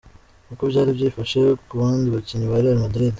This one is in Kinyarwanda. Uko byari byifashe ku bandi bakinnyi ba Real Madrid.